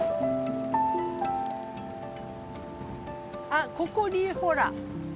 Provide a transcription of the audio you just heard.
あっここにほら。